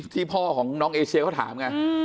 พ่อของน้องเอเชียเขาถามไง